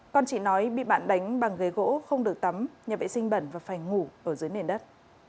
con chị nói bị bạn đánh bằng ghế gỗ không được tắm nhà vệ sinh bẩn và phải ngủ ở dưới nền đất